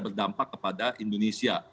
berdampak kepada indonesia